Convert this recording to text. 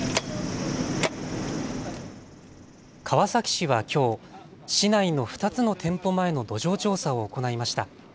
川崎市はきょう、市内の２つの店舗前の土壌調査を行いました。